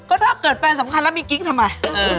ก็ถ้าเกิดแฟนสำคัญแล้วมีกิ๊กทำไม